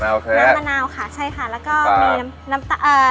มะนาวแชะปลาน้ำมะนาวค่ะใช่ค่ะแล้วก็มีน้ำเชื่อมค่ะ